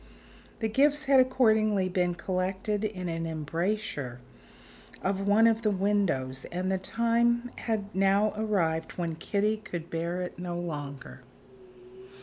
The gifts had accordingly been collected in an embrasure of one of the windows; and the time had now arrived when Kitty could bear it no longer.